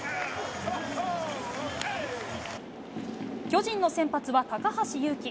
巨人の先発は高橋優貴。